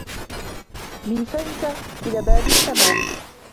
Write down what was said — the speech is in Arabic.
من فمك إلى باب السماء!